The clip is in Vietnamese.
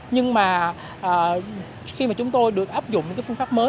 nhưng mà khi mà chúng tôi được áp dụng những cái phương pháp mới